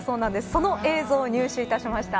その映像を入手しました。